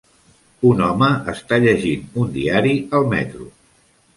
Un home està llegint un diari al metro